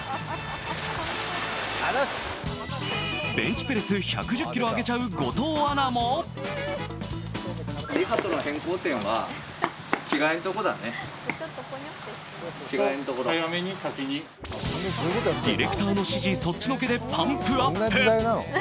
ベンチプレス１１０ｋｇ上げちゃう後藤アナもディレクターの指示そっちのけでパンプアップ。